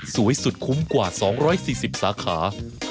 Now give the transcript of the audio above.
สวยสุดคุ้มกว่า๒๔๐สาขา